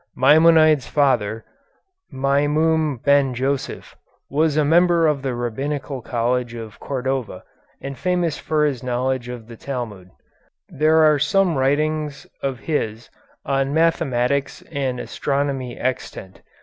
Maimonides' father, Maimum Ben Joseph, was a member of the Rabbinical College of Cordova, and famous for his knowledge of the Talmud. There are some writings of his on mathematics and astronomy extant.